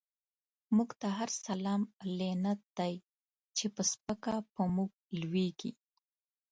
موږ ته هر سلام لعنت دی، چی په سپکه په موږ لويږی